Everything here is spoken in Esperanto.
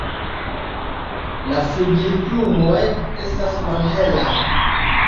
La flugilplumoj estas malhelaj.